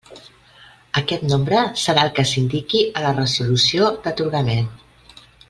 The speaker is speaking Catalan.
Aquest nombre serà el que s'indiqui a la resolució d'atorgament.